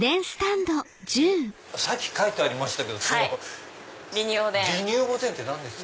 さっき書いてありましたけどリニューおでんって何ですか？